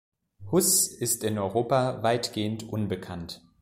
Huss ist in Europa weitgehend unbekannt.